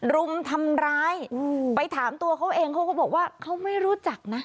รุมทำร้ายไปถามตัวเขาเองเขาก็บอกว่าเขาไม่รู้จักนะ